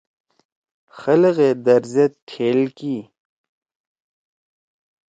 خلگے در زید ٹھیل کی۔